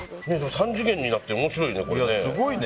３次元になって面白いね。